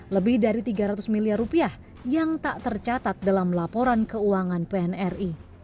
lebih dari tiga ratus miliar rupiah yang tak tercatat dalam laporan keuangan pnri